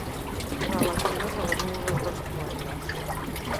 Relatives a les muses dels poetes.